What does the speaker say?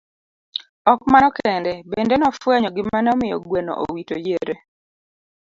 Ok mano kende, bende nofwenyo gima ne omiyo gweno owito yiere.